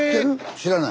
知らない？